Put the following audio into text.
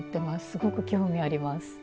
すごく興味あります。